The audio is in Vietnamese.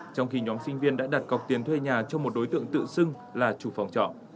trong khi nhóm sinh viên đã đặt cọc tiền thuê nhà cho một đối tượng tự xưng là chủ phòng trọ